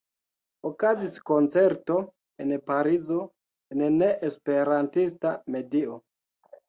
Okazis koncerto en Parizo en ne-esperantista medio.